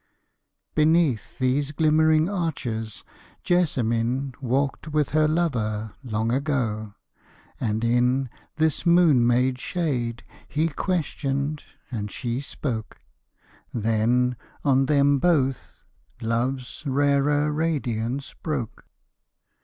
Beneath these glimmering arches Jessamine Walked with her lover long ago, and in This moon made shade he questioned; and she spoke: Then on them both love's rarer radiance broke.